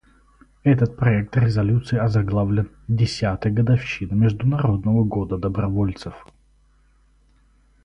Этот проект резолюции озаглавлен «Десятая годовщина Международного года добровольцев».